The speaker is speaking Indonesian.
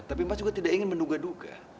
tapi mas juga tidak ingin menduga duga